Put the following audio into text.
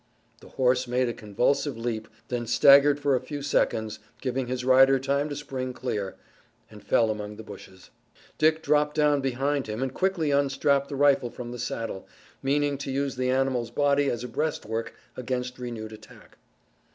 The horse made a convulsive leap, then staggered for a few seconds, giving his rider time to spring clear, and fell among the bushes. Dick dropped down behind him and quickly unstrapped the rifle from the saddle, meaning to use the animal's body as a breastwork against renewed attack.